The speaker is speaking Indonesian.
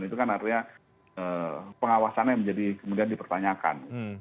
itu kan artinya pengawasannya menjadi kemudian dipertanyakan